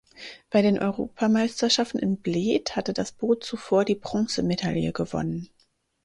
Bei den Europameisterschaften in Bled hatte das Boot zuvor die Bronzemedaille gewonnen.